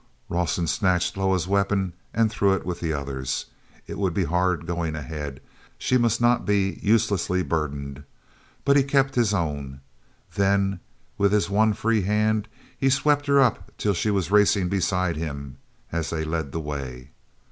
Rawson snatched Loah's weapon and threw it with the others. It would be hard going, ahead—she must not be uselessly burdened. But he kept his own. Then with his one free hand he swept her up till she was racing beside him as they led the way.